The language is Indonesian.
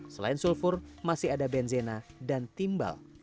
selain sulfur masih ada benzena dan timbal